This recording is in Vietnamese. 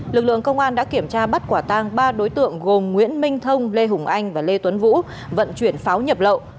lực lượng công an đã kiểm tra bắt quả tang ba đối tượng gồm nguyễn minh thông lê hùng anh và lê tuấn vũ vận chuyển pháo nhập lậu